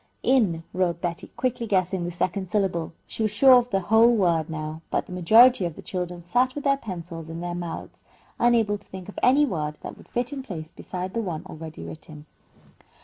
"Inn" wrote Betty, quickly guessing the second syllable. She was sure of the whole word, now, but the majority of the children sat with their pencils in their mouths, unable to think of any word that would fit in place beside the one already written.